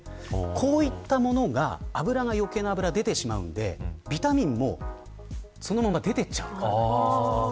こういったものが余計な油が出てしまうせいでビタミンそのまま出ていってしまいます。